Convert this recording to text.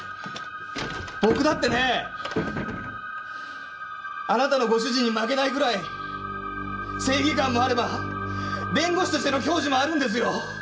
僕だってねあなたのご主人に負けないぐらい正義感もあれば弁護士としての矜持もあるんですよ。